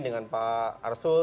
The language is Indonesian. dengan pak arsul